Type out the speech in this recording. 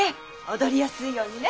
踊りやすいようにね。